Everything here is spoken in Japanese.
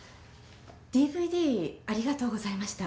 ＤＶＤありがとうございました。